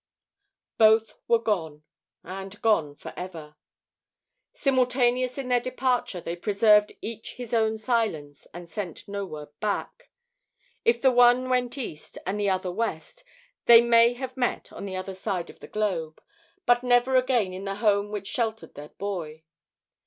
Both were gone, and gone forever. Simultaneous in their departure, they preserved each his own silence and sent no word back. If the one went east and the other west, they may have met on the other side of the globe, but never again in the home which sheltered their boy.